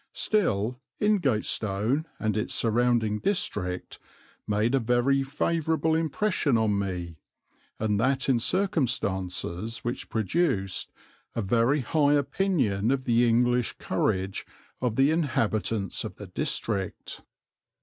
Still Ingatestone and its surrounding district made a very favourable impression on me, and that in circumstances which produced a very high opinion of the English courage of the inhabitants of the district.